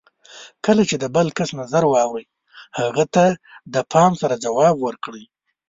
کله چې د بل کس نظر واورئ، هغه ته د پام سره ځواب ورکړئ.